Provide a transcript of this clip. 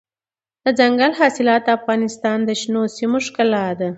دځنګل حاصلات د افغانستان د شنو سیمو ښکلا ده.